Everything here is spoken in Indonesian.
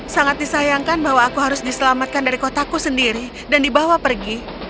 sangat disayangkan bahwa aku harus diselamatkan dari kotaku sendiri dan dibawa pergi